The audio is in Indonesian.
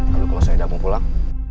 lalu kalau saya tidak mau pulang